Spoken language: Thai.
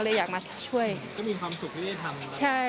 ก็มีความสุขที่ได้ทำ